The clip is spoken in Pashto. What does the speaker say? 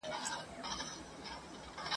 چي پر ځان یې د مرګي د ښکاري وار سو !.